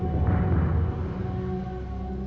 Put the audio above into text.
terima kasih amir